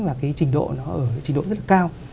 và trình độ rất cao